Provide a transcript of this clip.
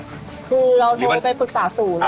คือเราโทรไปปรึกษาศูนย์